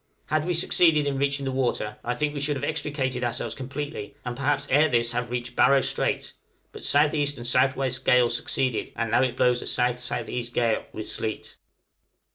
Had we succeeded in reaching the water, I think we should have extricated ourselves completely, and perhaps ere this have reached Barrow Strait, but S.E. and S.W. gales succeeded, and it now blows a S.S.E. gale, with sleet.